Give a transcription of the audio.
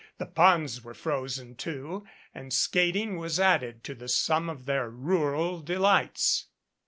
The ponds were frozen, too, and skating was added to the sum of their rural de lights.